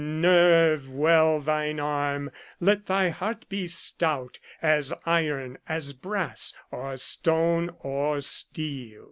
Nerve well thine arm, let thy heart be stout As iron, as brass, or stone, or steel.